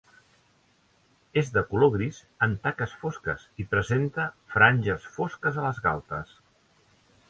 És de color gris amb taques fosques i presenta franges fosques a les galtes.